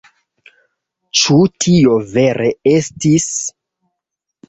Ĉu tio vere estis?